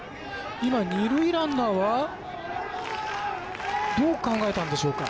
今、二塁ランナーはどう考えたんでしょうか？